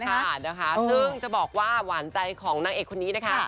ค่ะนะคะซึ่งจะบอกว่าหวานใจของนางเอกคนนี้นะคะ